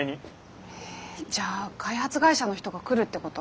えじゃあ開発会社の人が来るってこと？